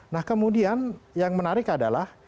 nah kemudian yang menarik adalah